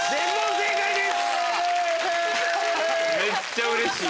めっちゃうれしい。